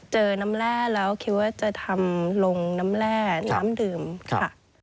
เจอน้ำแร่แล้วคิดว่าจะทำลงน้ำแร่น้ำดื่มค่ะ